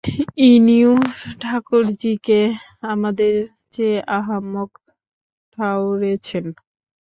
ইনিও ঠাকুরজীকে আমাদের চেয়ে আহাম্মক ঠাওরেছেন।